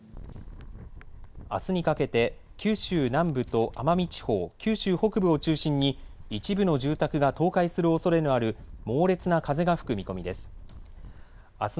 あすにかけて九州南部と奄美地方、九州北部を中心に一部の住宅が倒壊するおそれのある猛烈な風が吹く見込みです。